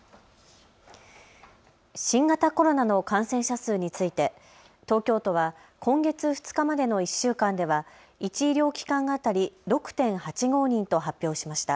新型コロナの感染者数について東京都は今月２日までの１週間では１医療機関当たり６．８５人と発表しました。